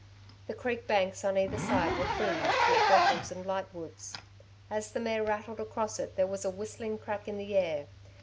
The creek banks on either side were fringed I with wattles and light woods. As the mare rattled across it there was a whistling crack in the air.